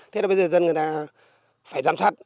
thế là bây giờ dân người ta phải giám sát